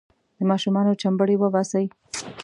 د ماشومانو چمبړې وباسي.